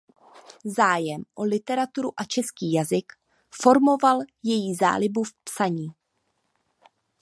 Zájem o literaturu a český jazyk formoval její zálibu v psaní.